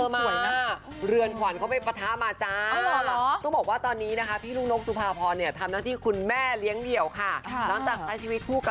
เมื่อไหร่จะร้องเนื้อเพลงเขาถูก